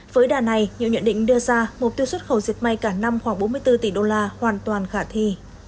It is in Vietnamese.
với đà này nhiều nhận định đưa ra mục tiêu xuất khẩu diệt may cả năm khoảng bốn mươi bốn tỷ đô la hoàn toàn khả thi